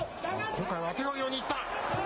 今回はあてがうようにいった。